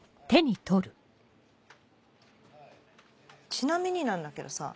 ちなみになんだけどさ。